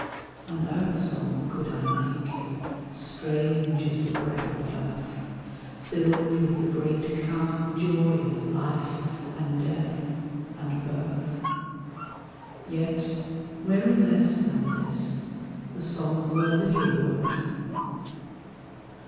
An earth song could I make, strange as the breath of earth, Filled with the great calm joy of life and death and birth? Yet, were it less than this, the song were little worth.